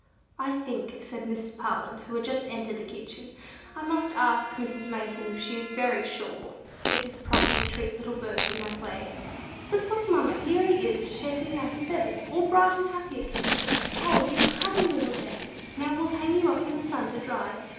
"I think," said Mrs. Parlin, who had just entered the kitchen, "I must ask Mrs. Mason if she is very sure it is proper to treat little birds in that way." "But look, mamma; here he is, shaking out his feathers, all bright and happy again. O, you cunning little Dandy, now we'll hang you up in the sun to dry.